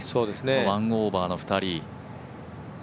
１オーバーの２人。